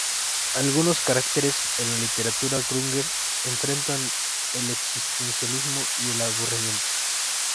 Algunos caracteres en la literatura grunge enfrentan el existencialismo y el aburrimiento.